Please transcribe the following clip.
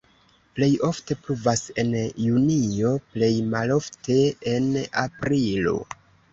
Plej ofte pluvas en junio, plej malofte en aprilo.